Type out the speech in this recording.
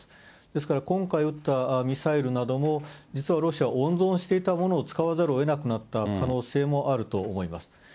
ですから今回撃ったミサイルなども、実はロシア、温存していたものを使わざるをえなくなった可能性もあると思います。